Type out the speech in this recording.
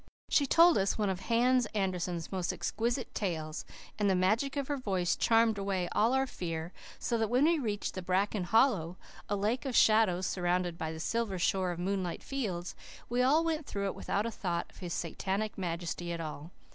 She told us one of Hans Andersen's most exquisite tales; and the magic of her voice charmed away all our fear, so that when we reached the bracken hollow, a lake of shadow surrounded by the silver shore of moonlit fields, we all went through it without a thought of His Satanic Majesty at all.